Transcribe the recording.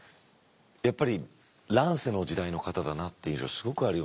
やっぱり乱世の時代の方だなってすごくあるよね。